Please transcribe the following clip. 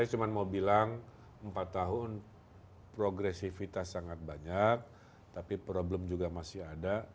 saya cuma mau bilang empat tahun progresivitas sangat banyak tapi problem juga masih ada